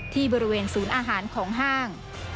ที่บริเวณศูนย์อาหารของห้าง